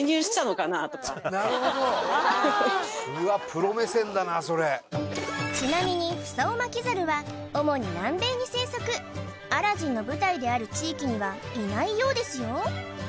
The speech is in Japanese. プロ目線だなそれちなみにフサオマキザルは主に南米に生息「アラジン」の舞台である地域にはいないようですよ